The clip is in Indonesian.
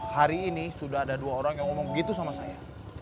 hari ini sudah ada dua orang yang ngomong begitu sama saya